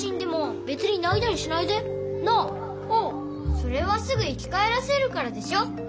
それはすぐ生きかえらせるからでしょ？